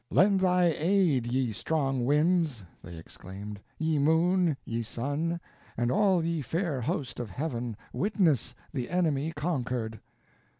"Lend thy aid, ye strong winds," they exclaimed, "ye moon, ye sun, and all ye fair host of heaven, witness the enemy conquered."